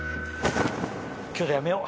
今日でやめよう！